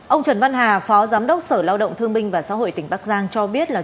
ông trần văn hà phó giám đốc sở lao động thương binh và xã hội tỉnh bắc giang cho biết là